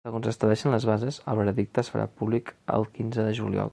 Segons estableixen les bases, el veredicte es farà públic el quinze de juliol.